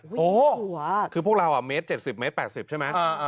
โอ้โหคือพวกเราเมตร๗๐เมตร๘๐ใช่ไหม